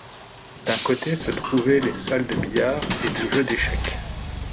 D'un côté se trouvaient les salles de billard et de jeu d'échecs.